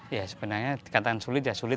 ya sebenarnya dikatakan sulit ya sulit